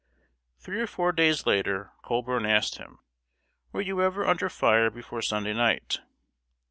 ] Three or four days later, Colburn asked him "Were you ever under fire before Sunday night?"